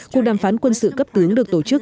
cuộc đàm phán quân sự cấp tướng được tổ chức